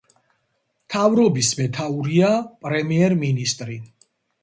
მთავრობის მეთაურია პრემიერ-მინისტრი.